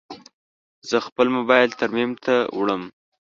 زه خپل موبایل ترمیم ته وړم.